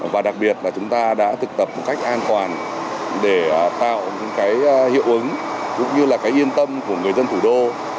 và đặc biệt là chúng ta đã thực tập một cách an toàn để tạo những hiệu ứng cũng như yên tâm của người dân thủ đô